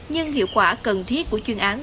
nhưng hiệu quả cần thiết của chuyên án